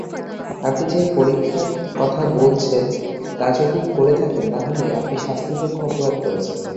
আপনি যে পরীক্ষার কথা বলেছেন তা যদি করে থাকেন তাহলে আপনি শাস্তিযোগ্য অপরাধ করেছেন।